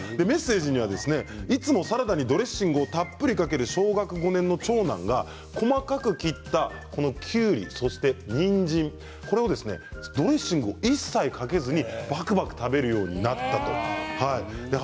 いつでもサラダにドレッシングをたっぷりかける小学５年の長男が細かく切ったきゅうりやにんじんドレッシングを一切かけずにばくばく食べるようになったそうです。